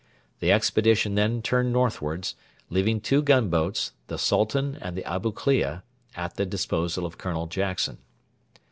The expedition then turned northwards, leaving two gunboats the Sultan and the Abu Klea at the disposal of Colonel Jackson.